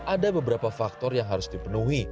ada beberapa faktor yang harus dipenuhi